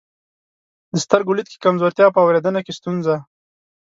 د سترګو لید کې کمزورتیا، په اورېدنه کې ستونزه،